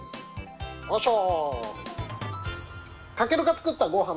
よいしょ。